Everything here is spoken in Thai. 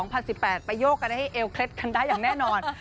ไปโยกกันให้เอวเคล็ดกันได้อย่างแน่นอน